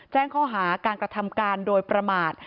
แจ้งข้อหาการกระทำการโดยประมาท